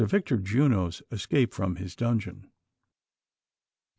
VICTOR JUNO'S ESCAPE FKOM HIS DUNGEON.